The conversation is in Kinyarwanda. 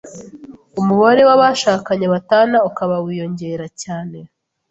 umubare w abashakanye batana ukaba wiyongera cyane